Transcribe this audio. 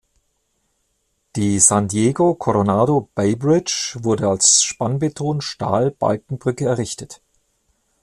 Die San Diego Coronado Bay Bridge wurde als Spannbeton-Stahl-Balkenbrücke errichtet.